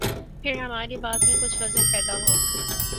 پھر ہماری بات میں کچھ وزن پیدا ہو۔